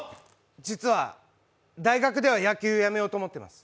実は大学では野球やめようと思ってます。